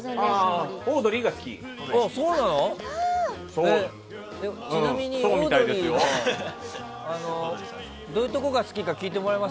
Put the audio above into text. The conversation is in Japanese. オードリーが好き。